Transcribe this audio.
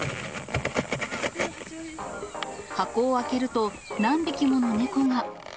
箱を開けると、何匹もの猫が。